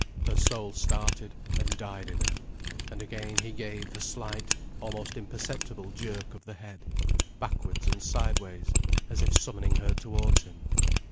Her soul started, and died in her. And again he gave the slight, almost imperceptible jerk of the head, backwards and sideways, as if summoning her towards him.